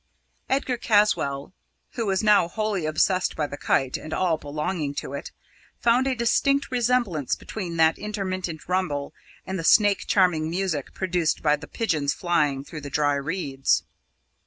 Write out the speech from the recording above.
Edgar Caswall, who was now wholly obsessed by the kite and all belonging to it, found a distinct resemblance between that intermittent rumble and the snake charming music produced by the pigeons flying through the dry reeds.